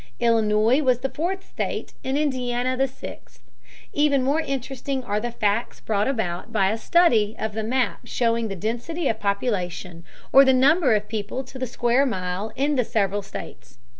Illinois was the fourth state and Indiana the sixth. Even more interesting are the facts brought out by a study of the map showing the density of population or the number of people to the square mile in the several states.